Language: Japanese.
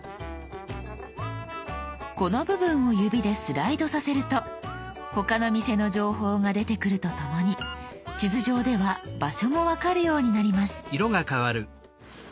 この部分を指でスライドさせると他の店の情報が出てくるとともに地図上では場所も分かるようになります。